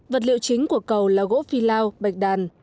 vật liệu chính của cầu là gỗ phi lao bạch đàn